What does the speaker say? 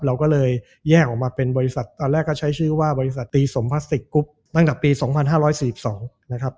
เราก็เลยแยกออกมาเป็นบริษัทตอนแรกก็ใช้ชื่อว่าบริษัทตีสมพลาสติกกรุ๊ปตั้งแต่ปี๒๕๔๒นะครับ